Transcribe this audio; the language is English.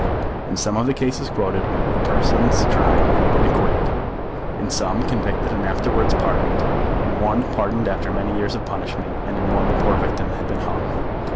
In some of the cases quoted, the persons tried had been acquitted; in some, convicted and afterwards pardoned; in one pardoned after many years of punishment; and in one the poor victim had been hung.